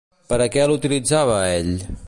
Per a què l'utilitzava, ell?